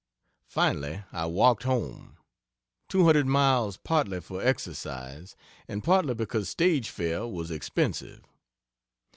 Finally I walked home 200 miles partly for exercise, and partly because stage fare was expensive.